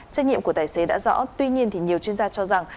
trách nhiệm của tài xế đã rõ tuy nhiên thì nhiều chuyên gia cho rằng